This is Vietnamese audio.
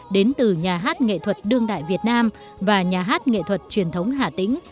đến từ nhà hát nghệ thuật đương đại việt nam và nhà hát nghệ thuật truyền thống hà tĩnh